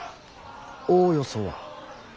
おおよそは。